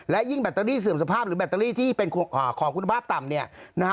และยิ่งแบตเตอรี่เสื่อมสภาพหรือแบตเตอรี่ที่เป็นของคุณภาพต่ำเนี่ยนะฮะ